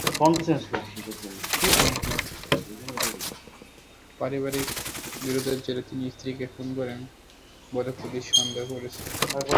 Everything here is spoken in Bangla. পারিবারিক বিরোধের জেরে তিনি স্ত্রীকে খুন করেন বলে পুলিশ সন্দেহ করছে।